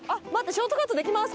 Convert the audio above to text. ショートカットできます